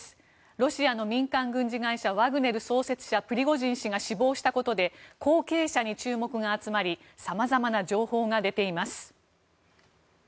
ロシアの民間軍事会社ワグネル創設者、プリゴジン氏が死亡したことで後継者に注目が集まり様々な情報が出ています。